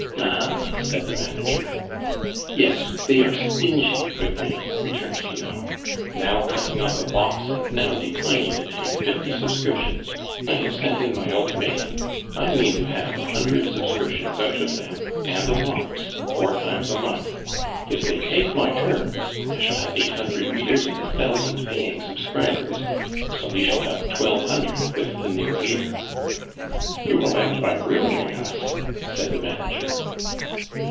"Aha?" said the manager. "Yes. They are stingy with me," returned Finot, "now cutting off a box, and now declining to take fifty subscriptions. I have sent in my ultimatum; I mean to have a hundred subscriptions out of them and a box four times a month. If they take my terms, I shall have eight hundred readers and a thousand paying subscribers, so we shall have twelve hundred with the New Year." "You will end by ruining us," said the manager.